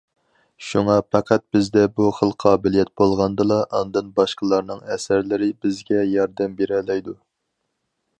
شۇڭا، پەقەت بىزدە بۇ خىل قابىلىيەت بولغاندىلا ئاندىن باشقىلارنىڭ ئەسەرلىرى بىزگە ياردەم بېرەلەيدۇ.